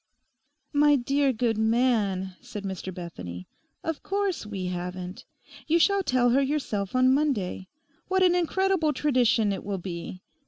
'My dear good man,' said Mr Bethany, 'of course we haven't. You shall tell her yourself on Monday. What an incredible tradition it will be!